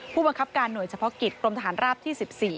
ผู้บังคับการหน่วยเฉพาะกิจกรมทหารราบที่๑๔